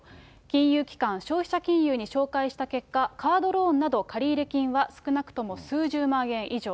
金融機関、消費者金融に照会した結果、カードローンなど借入金は、少なくとも数十万円以上。